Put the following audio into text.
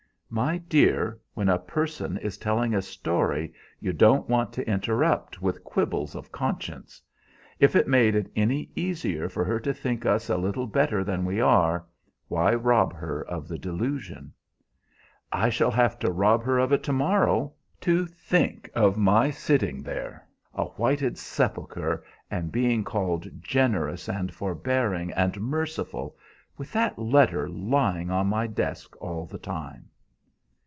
"My dear, when a person is telling a story you don't want to interrupt with quibbles of conscience; if it made it any easier for her to think us a little better than we are, why rob her of the delusion?" "I shall have to rob her of it to morrow. To think of my sitting there, a whited sepulchre, and being called generous and forbearing and merciful, with that letter lying on my desk all the time!"